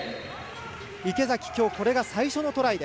池崎、きょうこれが最初のトライ。